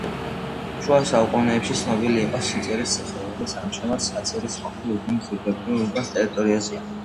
შუა საუკუნეებში ცნობილი იყო საწირის ციხე, რომელიც ამჟამად საწირის ყოფილი უბნის, ზედუბნის, ტერიტორიაზეა.